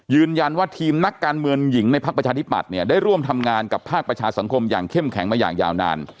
ยืนยันว่าทีมนักการเมืองหญิงในพักประชาธิปัตย์เนี่ยได้ร่วมทำงานกับภาคประชาสังคมอย่างเข้มแข็งมาอย่างยาวนาน